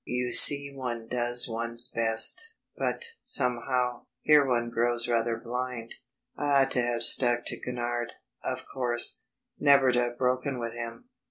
You see one does one's best, but, somehow, here one grows rather blind. I ought to have stuck to Gurnard, of course; never to have broken with him.